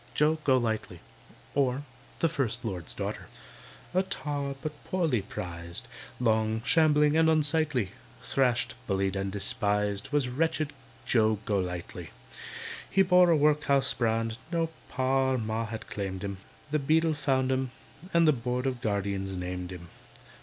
JOE GOLIGHTLY OR, THE FIRST LORD'S DAUGHTER A tar, but poorly prized, Long, shambling, and unsightly, Thrashed, bullied, and despised, Was wretched JOE GOLIGHTLY. He bore a workhouse brand; No Pa or Ma had claimed him, The Beadle found him, and The Board of Guardians named him.